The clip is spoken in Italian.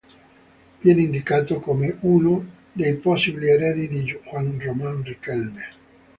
Viene indicato come uno dei possibili eredi di Juan Román Riquelme.